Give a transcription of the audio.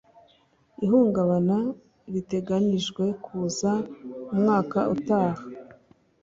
Ihungabana riteganijwe kuza umwaka utaha.